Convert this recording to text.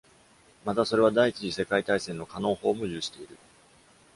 また、それは第一次世界大戦のカノン砲も有している。